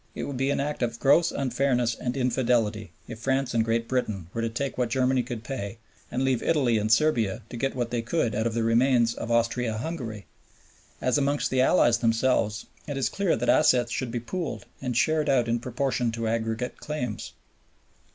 It would be an act of gross unfairness and infidelity if France and Great Britain were to take what Germany could pay and leave Italy and Serbia to get what they could out of the remains of Austria Hungary. As amongst the Allies themselves it is clear that assets should be pooled and shared out in proportion to aggregate claims.